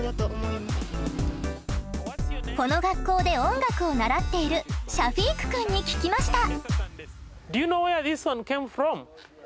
この学校で音楽を習っているシャフィークくんに聞きました。